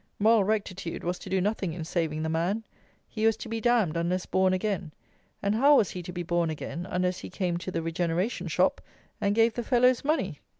Moral rectitude was to do nothing in saving the man. He was to be damned unless born again, and how was he to be born again unless he came to the regeneration shop and gave the fellows money?